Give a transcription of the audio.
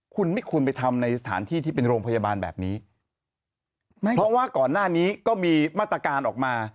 คุณไม่ควรไปทำในสถานที่ที่เป็นโรงพยาบาลแบบนี้ไม่เพราะว่าก่อนหน้านี้ก็มีมาตรการออกมา